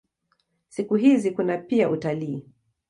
Siku hizi kuna pia utalii.